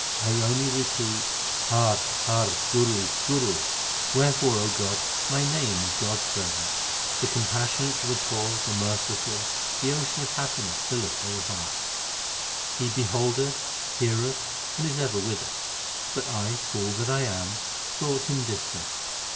I only repeat Har, Har, Guru, Guru ! Wherefore, O God, my name is God s servant. 354 THE SIKH RELIGION The Compassionate to the poor, the Merciful, the Ocean of happiness filleth all hearts. He beholdeth, heareth, and is ever with us ; but I, fool that I am, thought Him distant.